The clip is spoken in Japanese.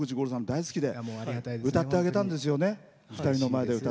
大好きで歌ってあげたんですよね。